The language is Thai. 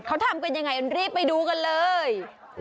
เขาทำกันยังไงรีบไปดูกันเลย